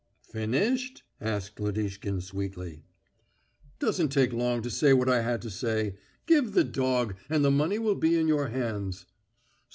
"Finished?" asked Lodishkin sweetly. "Doesn't take long to say what I had to say. Give the dog, and the money will be in your hands."